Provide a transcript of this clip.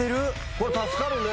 これ助かるね。